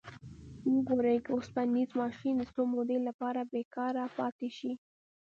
وګورئ که اوسپنیز ماشین د څه مودې لپاره بیکاره پاتې شي.